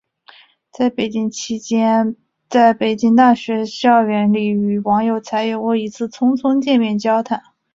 在北京期间在北京大学校园里与王有才有过一次匆匆见面交谈。